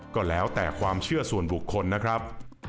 ก็แล้วแต่ความเชื่อส่วนบุคคลนะครับ